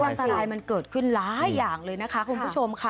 อันตรายมันเกิดขึ้นหลายอย่างเลยนะคะคุณผู้ชมค่ะ